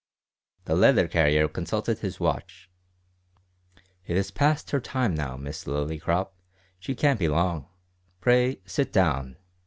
The letter carrier consulted his watch. "It is past her time now, Miss Lillycrop; she can't be long. Pray, sit down.